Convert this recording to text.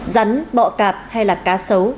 rắn bọ cạp hay là cá sấu